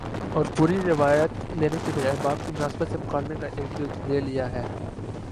اور پوری روایت لینے کے بجائے باب کی مناسبت سے مکالمے کا ایک جز لے لیا ہے